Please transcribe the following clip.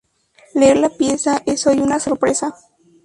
Leer la pieza es hoy una sorpresa.